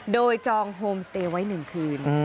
โดยจองโฮมสเตย์ไว้๑คืน